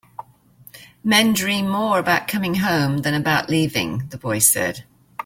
"Men dream more about coming home than about leaving," the boy said.